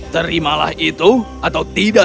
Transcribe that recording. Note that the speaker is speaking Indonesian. terimalah itu atau tidak